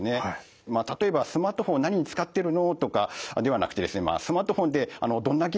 例えば「スマートフォンを何に使ってるの？」とかではなくてですね「スマートフォンでどんなゲームをしてるの？」